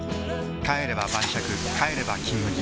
帰れば晩酌帰れば「金麦」